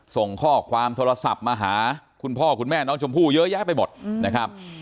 ส่งข้อความโทรศัพท์มาหาคุณพ่อคุณแม่น้องชมพู่เยอะแยะไปหมดนะครับ